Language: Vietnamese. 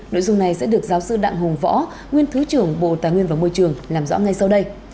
nội dung này sẽ được giáo sư đặng hùng võ nguyên thứ trưởng bộ tài nguyên và môi trường làm rõ ngay sau đây